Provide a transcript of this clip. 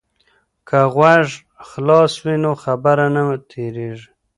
که غوږ خلاص وي نو خبره نه تیریږي.